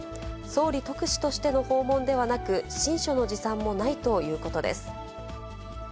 総理特使としての訪問ではなく、親書の持参もないということです。